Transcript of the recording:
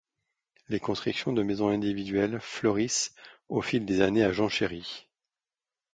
Les constructions de maisons individuelles fleurissent au fil des années à Joncherey.